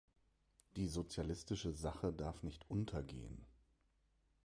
Die sozialistische Sache darf nicht untergehen.